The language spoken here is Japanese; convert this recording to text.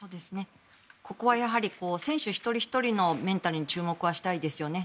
ここはやはり選手一人ひとりのメンタルに注目はしたいですよね。